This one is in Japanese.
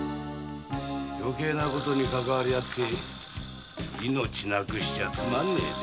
余計な事にかかわり合って命なくしちゃつまんねえぜ。